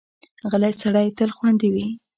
غلی سړی تل خوندي وي.